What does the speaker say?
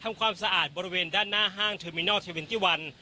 ทำความสะอาดบริเวณด้านหน้าห้างเทอร์มินัล๒๑